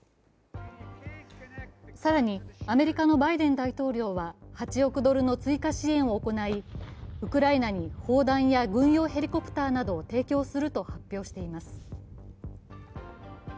更にアメリカのバイデン大統領は８億ドルの追加支援を行いウクライナに砲弾や軍用ヘリコプターなどを提供すると発表しています。